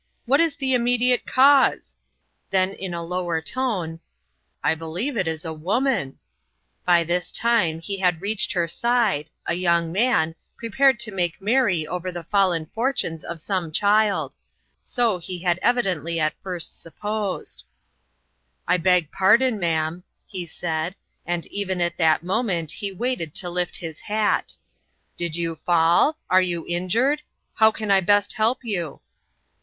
What is the immediate cause ?" Then in a lower tone :" I believe it is a wo man !" By this time he had reached her side, a young man, prepared to make merry over the fallen fortunes of some child ; so he had evidently at first supposed. "I beg pardon, ma'am," he said, and even at that moment he waited to lift his hat, "did you fall? Are you injured? How can I best help yon?"